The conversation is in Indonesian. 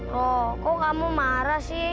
kok kok kamu marah sih